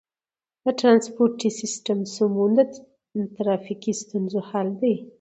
د ترانسپورتي سیستم سمون د ترافیکي ستونزو حل دی.